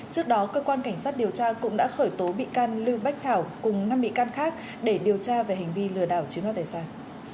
trước đó cơ quan cảnh sát điều tra cũng đã khởi tố bị can lưu bách thảo cùng năm bị can khác để điều tra về hành vi lừa đảo chiếm đoạt tài sản